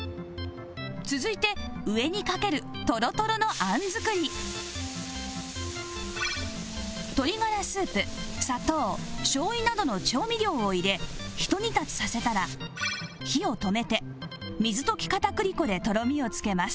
続いて上にかけるトロトロの餡作り鶏ガラスープ砂糖しょう油などの調味料を入れひと煮立ちさせたら火を止めて水溶き片栗粉でとろみを付けます